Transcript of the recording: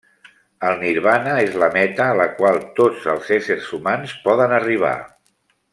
El nirvana és la meta a la qual tots els éssers humans poden arribar.